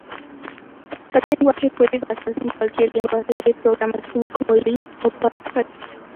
Tal lenguaje puede basarse en cualquier lenguaje de programación como Lisp o Pascal.